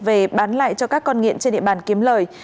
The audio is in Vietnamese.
về bán lại cho các con nghiện trên địa bàn kiếm lời